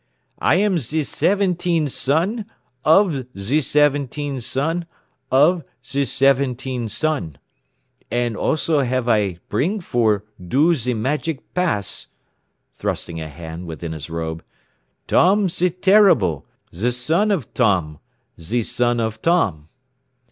I am ze seventeen son, of ze seventeen son, of ze seventeen son. "An' also have I bring for do ze magic pass," thrusting a hand within his robe, "Tom ze Terrible, ze son of Tom, ze son of Tom."